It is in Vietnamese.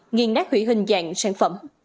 nghiên nát hủy hình dạng sản phẩm